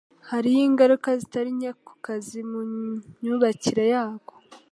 Hariho ingaruka zitari nke ku kazi mu myubakire yako